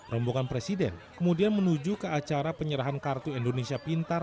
rombongan presiden kemudian menuju ke acara penyerahan kartu indonesia pintar